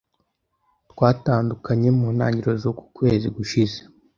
Twatandukanye mu ntangiriro z'ukwezi gushize.